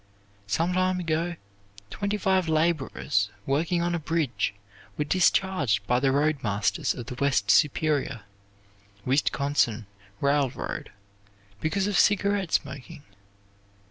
Some time ago, twenty five laborers working on a bridge were discharged by the roadmasters of the West Superior, Wisconsin Railroad because of cigarette smoking.